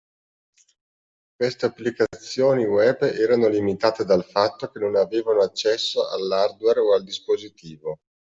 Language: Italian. Queste applicazioni web erano limitate dal fatto che non avevano accesso all’hardware o al dispositivo